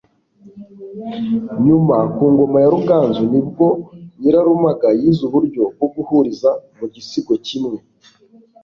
nyuma, ku ngoma ya ruganzu ni bwo nyirarumaga yize uburyo bwo guhuriza mu gisigo kimwe